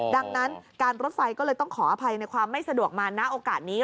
ดังนั้นการรถไฟก็เลยต้องขออภัยในความไม่สะดวกมาณโอกาสนี้